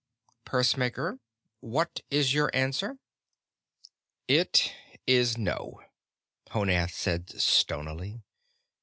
"Pursemaker, what is your answer?" "It is No," Honath said stonily.